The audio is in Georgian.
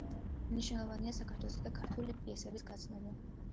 მნიშვნელოვანია საქართველოსა და ქართული პიესების გაცნობა.